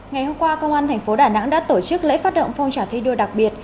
ngày hôm qua công an thành phố đà nẵng đã tổ chức lễ phát động phong trào thi đua đặc biệt